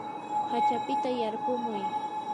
hachapita yarpumuy.